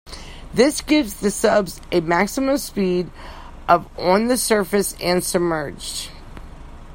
This gives the subs a maximum speed of on the surface and submerged.